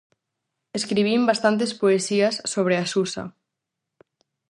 Escribín bastantes poesías sobre a Susa.